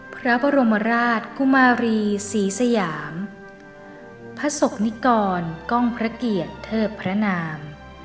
พระบรมราชกุมารีศรีสยามพระศกนิกรกล้องพระเกียรติเทิดพระนาม